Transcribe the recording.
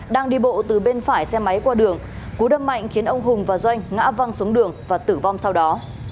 đang đi bộ từ bên phải xe máy qua đường cú đâm mạnh khiến ông hùng và doanh ngã văng xuống đường và tử vong sau đó